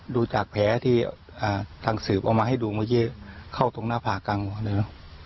ดูจากแผลที่ทางสืบเอามาให้ดูไม่ใช่เข้าตรงหน้าภาคกลางเลยนะครับ